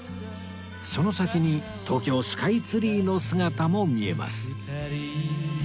その先に東京スカイツリーの姿も見えます